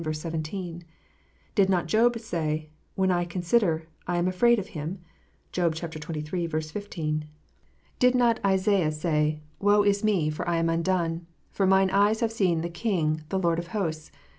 Did not Job say, "When I consider, I am afraid of Him "? (Job xxiii. 15.) 266 KNOTS UNTIED. Did not Isaiah say, " Woe is me, for I am undone : for mine eyes have seen the King, the Lord of hosts